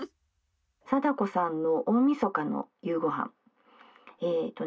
「貞子さんの大みそかの夕ごはんえっとね